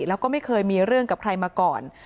แล้วก็ไม่เคยมีเรื่องกับใครมาก่อน